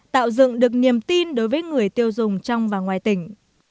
tạo dựng được niềm tin đối với người tiêu dùng trong và ngoài tỉnh